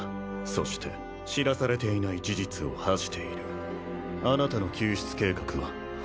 そして知らされていない事実を恥じているあなたの救出計画は？